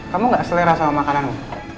kamu gak selera sama makananmu